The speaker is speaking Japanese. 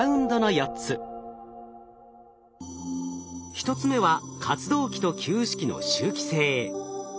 １つ目は活動期と休止期の周期性。